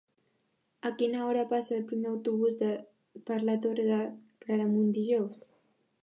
A quina hora passa el primer autobús per la Torre de Claramunt dijous?